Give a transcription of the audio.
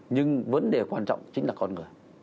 nhưng vấn đề quan trọng chính là con người